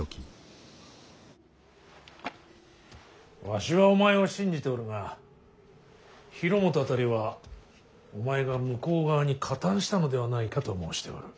わしはお前を信じておるが広元辺りはお前が向こう側に加担したのではないかと申しておる。